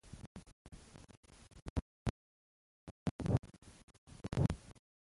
زردالو د افغانانو د فرهنګي پیژندنې برخه ده.